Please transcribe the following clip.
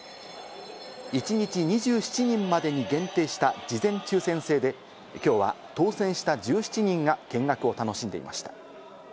一日２７人までに限定した事前抽選制で、今日は当選した１７人が見学を楽しんでいました。